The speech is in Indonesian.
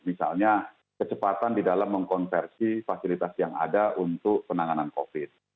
misalnya kecepatan di dalam mengkonversi fasilitas yang ada untuk penanganan covid